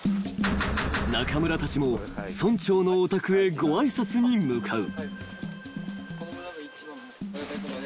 ［中村たちも村長のお宅へご挨拶に向かう］